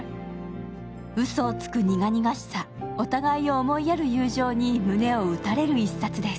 うそをつく苦々しさ、お互いを思いやる友情に胸を打たれる一冊です。